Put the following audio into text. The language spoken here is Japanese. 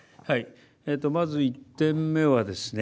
まず、１点目はですね